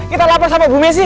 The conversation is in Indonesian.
kita lapar sama bumes sih